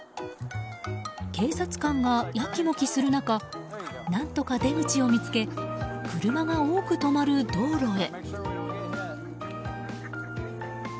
警察官が、やきもきする中何とか出口を見つけ車が多く止まる道路へ。